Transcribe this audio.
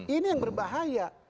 ini yang berbahaya